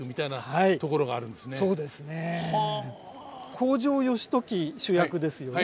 北条義時主役ですよね。